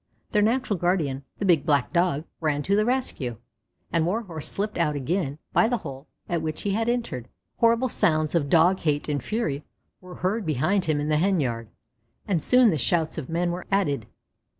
Their natural guardian, the big black Dog, ran to the rescue, and Warhorse slipped out again by the hole at which he had entered. Horrible sounds of Dog hate and fury were heard behind him in the hen yard, and soon the shouts of men were added.